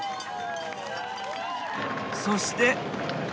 そして。